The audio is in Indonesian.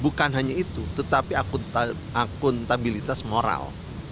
bukan hanya itu tetapi akuntabilitas moral